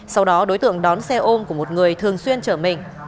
sau đó đối tượng đón xe ôm của một người thường xuyên chở mình